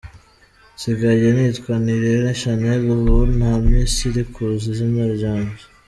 Nsigaye nitwa Nirere Shanel, ubu nta Miss iri ku izina ryanjye.